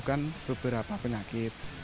menunggu beberapa penyakit